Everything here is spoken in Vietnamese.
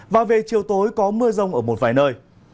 và về chiều tối có mưa rông ở một vài nơi